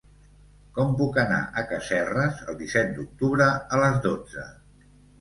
Com puc anar a Casserres el disset d'octubre a les dotze?